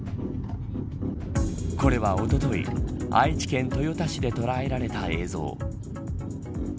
これは、おととい愛知県豊田市で捉えられた映像。